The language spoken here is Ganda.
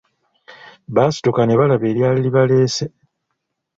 Baasituka ne balaba eryali libaleese.